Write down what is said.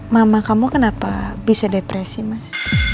mama kamu kenapa bisa depresi mas